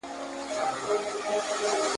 پر کوترو به سوه جوړه د غم خونه `